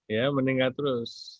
ya meningkat terus